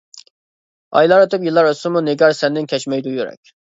ئايلار ئۆتۈپ يىللار ئۆتسىمۇ، نىگار سەندىن كەچمەيدۇ يۈرەك.